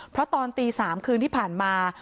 เพราะตอนตี๓คืนที่ผ่านมา